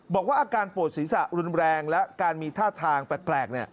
บอกว่าอาการปวดศีรษะรุนแรงและการมีท่าทางแปลก